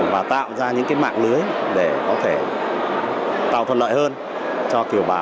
và tạo ra những cái mạng lưới để có thể tạo thuận lợi hơn cho kiểu bà